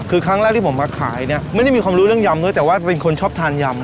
คือครั้งแรกที่ผมมาขายเนี่ยไม่ได้มีความรู้เรื่องยำด้วยแต่ว่าเป็นคนชอบทานยำ